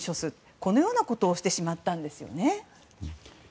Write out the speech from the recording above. このようなことをしてしまったんです。